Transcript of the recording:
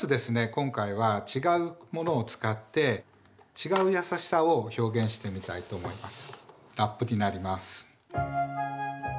今回は違うものを使って違うやさしさを表現してみたいと思います。